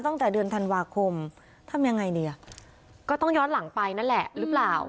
ตั้งแต่เดือนธันวาคมทำยังไงดีอ่ะก็ต้องย้อนหลังไปนั่นแหละหรือเปล่า